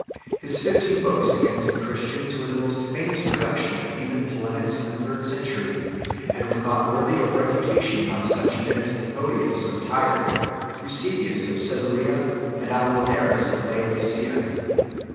His fifteen books against the Christians were the most famous production of heathen polemics in the third century, and were thought worthy of refutation by such men as Methodius of Tyre, Eusebius of Caesarea, and Apollinaris of Laodicea.